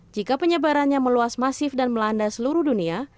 jika penyebarannya meluas masif dan melanda seluruh dunia